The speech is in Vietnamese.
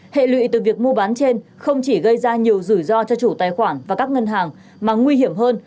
hệ lụy từ việc mua bán trên không chỉ gây ra nhiều rủi ro cho chủ tài khoản và các ngân hàng mà nguy hiểm hơn